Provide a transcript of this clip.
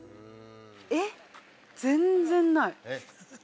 ◆えっ、全然ない。